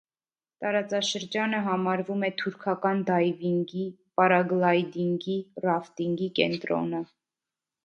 Տարածաշրջանը համարվում է թուրքական դայվինգի, պարագլայդինգի, ռաֆտինգի կենտրոնը։